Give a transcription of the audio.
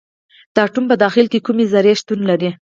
د اتوم په داخل کې کومې ذرې شتون لري.